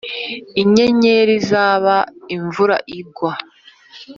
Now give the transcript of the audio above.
inyenyeri zaba imvura igwa,